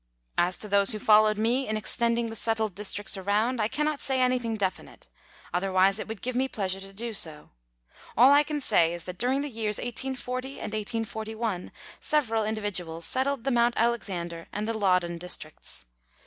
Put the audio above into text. As to those who followed me in extending the settled districts around, I cannot say anything definite ; otherwise it would give me pleasure to do so. All I can say is that during the years 1840 and 1841 several individuals settled the Mount Alexander and the Loddon Districts.